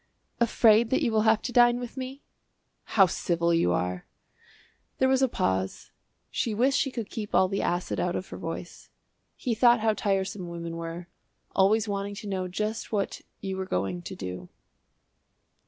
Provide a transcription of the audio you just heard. "Afraid that you will have to dine with me?" "How civil you are!" There was a pause. She wished she could keep all the acid out of her voice. He thought how tiresome women were, always wanting to know just what you were going to do.